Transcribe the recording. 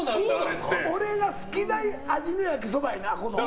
俺が好きな味の焼きそばやねん。